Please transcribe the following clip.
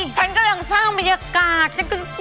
ฉันกำลังสร้างบรรยากาศ